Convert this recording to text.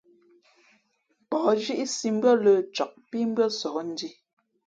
Pα̌h nzhíʼsī mbʉ́ά lə̄ cak pǐ mbʉ́ά sǒh ndhī.